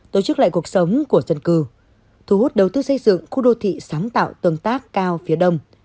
tổ chức lại cuộc sống của dân cư thu hút đầu tư xây dựng khu đô thị sáng tạo tương tác cao phía đông